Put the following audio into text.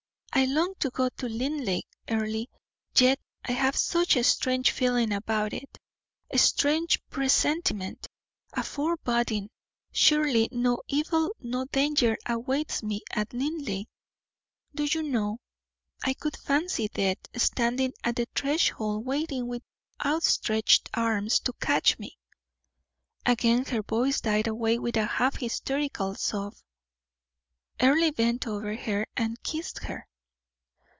"I long to go to Linleigh, Earle, yet I have such a strange feeling about it, a strange presentiment, a foreboding; surely no evil, no danger awaits me at Linleigh. Do you know, I could fancy death standing at the threshold waiting with outstretched arms to catch me." Again her voice died away with a half hysterical sob. Earle bent over her and kissed her.